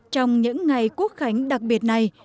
trong những ngày quốc khánh đặc biệt này